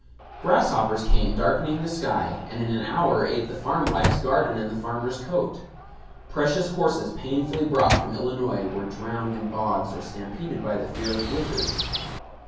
Grasshoppers came darkening the sky, and in an hour ate the farmwife's garden and the farmer's coat. Precious horses painfully brought from Illinois, were drowned in bogs or stampeded by the fear of blizzards.